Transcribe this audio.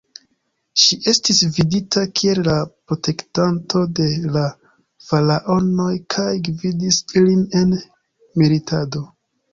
Ŝi estis vidita kiel la protektanto de la faraonoj kaj gvidis ilin en militado.